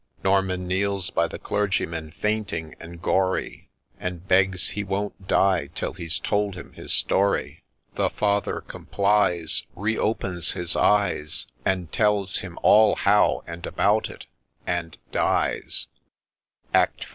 — Norman kneels by the clergyman fainting and gory, And begs he won't die till he 's told him his* story ; 192 SOME ACCOUNT OF A NEW PLAY The Father complies, Re opens his eyes, And tells him all how and about it — and dies I ACT IV.